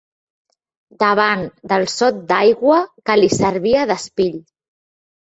Davant del sot d'aigua que li servia d'espill